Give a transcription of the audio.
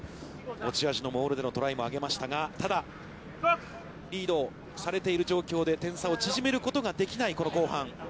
持ち味のモールでのトライも上げましたが、ただ、リードをされている状況で点差を縮めることができないこの後半。